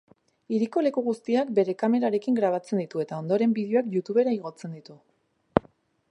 Hiriko leku guztiak bere kamerarekin grabatzen ditu eta ondoren bideoak youtubera igotzen ditu.